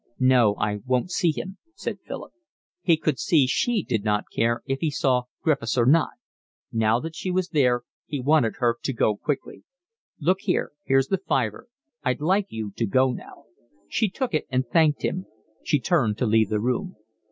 "No, I won't see him," said Philip. He could see she did not care if he saw Griffiths or not. Now that she was there he wanted her to go quickly. "Look here, here's the fiver. I'd like you to go now." She took it and thanked him. She turned to leave the room.